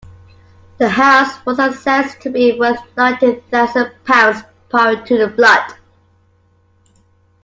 The house was assessed to be worth ninety thousand pounds prior to the flood.